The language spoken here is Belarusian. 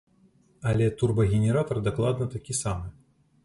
Але турбагенератар дакладна такі самы.